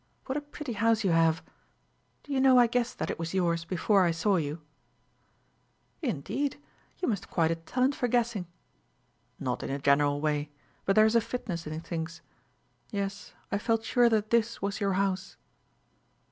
What a pretty house you have! Do you know I guessed that it was yours before I saw you." "Indeed! You must have quite a talent for guessing." "Not in a general way; but there is a fitness in things. Yes, I felt sure that this was your house."